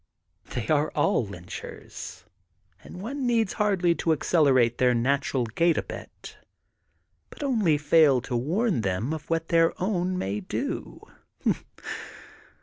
They are all lynchers and one needs hardly to accelerate their natural gait a bit, but only to fail to warn them of what their own may do.